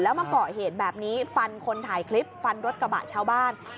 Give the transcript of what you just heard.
แล้วมาเกาะเหตุแบบนี้ฟันคนถ่ายคลิปฟันรถกระบะชาวบ้าน